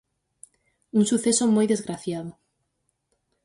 Un suceso moi desgraciado.